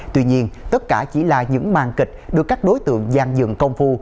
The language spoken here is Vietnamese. tuy nhiên tất cả chỉ là những màn kịch được các đối tượng gian dừng công phu